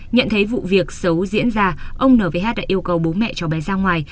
nhận thấy vụ việc xấu diễn ra ông n vh đã yêu cầu bố mẹ cho bé ra ngoài